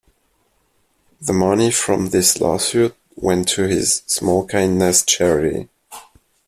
The money from this lawsuit went to his "Small Kindness" Charity.